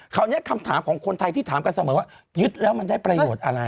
คำถามของคนไทยที่ถามกันเสมอว่ายึดแล้วมันได้ประโยชน์อะไร